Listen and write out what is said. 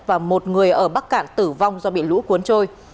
và một người ở bắc cạn tử vong do bị lũ cuốn trôi